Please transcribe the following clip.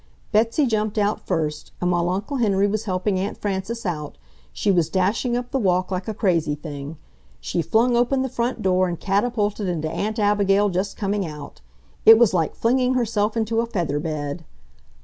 Betsy jumped out first, and while Uncle Henry was helping Aunt Frances out, she was dashing up the walk like a crazy thing. She flung open the front door and catapulted into Aunt Abigail just coming out. It was like flinging herself into a feather bed....